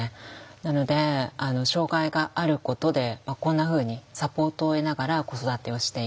なので障害があることでこんなふうにサポートを得ながら子育てをしていく。